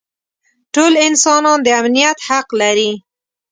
ټول انسانان د امنیت حق لري.